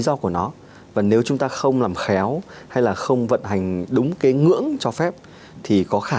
rau của nó và nếu chúng ta không làm khéo hay là không vận hành đúng cái ngưỡng cho phép thì có khả